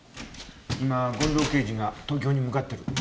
今権藤刑事が東京に向かってる。